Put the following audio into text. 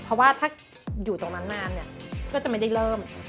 เพราะว่าถ้าอยู่ตรงนั้นนานเนี่ยก็จะไม่ได้เริ่ม